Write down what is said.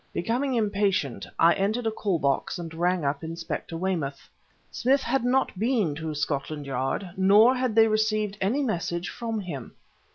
Becoming impatient, I entered a call box and rang up Inspector Weymouth. Smith had not been to Scotland Yard, nor had they received any message from him.